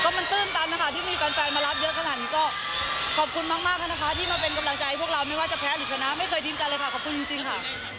มันตื้นตันนะคะที่มีแฟนมารับเยอะขนาดนี้ก็ขอบคุณมากนะคะที่มาเป็นกำลังใจพวกเราไม่ว่าจะแพ้หรือชนะไม่เคยทิ้งกันเลยค่ะขอบคุณจริงค่ะ